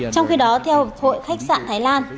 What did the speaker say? trong khi đó theo hội khách sạn thái lan